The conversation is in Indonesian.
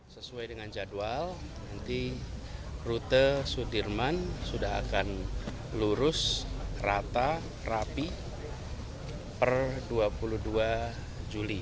sesuai dengan jadwal nanti rute sudirman sudah akan lurus rata rapi per dua puluh dua juli